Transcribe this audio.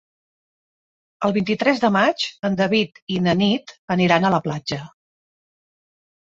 El vint-i-tres de maig en David i na Nit aniran a la platja.